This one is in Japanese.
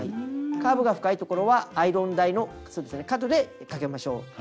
カーブが深いところはアイロン台のそうですね角でかけましょう。